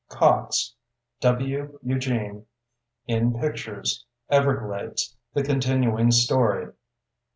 Cox, W. Eugene. _In Pictures—Everglades: The Continuing Story.